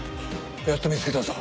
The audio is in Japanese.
やっと見つけたぞ。